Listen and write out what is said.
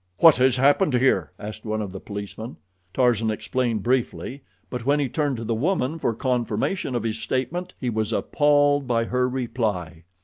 "What has happened here?" asked one of the policemen. Tarzan explained briefly, but when he turned to the woman for confirmation of his statement he was appalled by her reply.